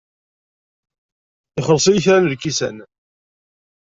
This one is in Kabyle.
Ixelleṣ-iyi kra n lkisan.